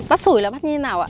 bắt sủi là bắt như thế nào ạ